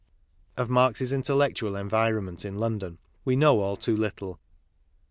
Of Marx's intellectual environment in London, we know all too little.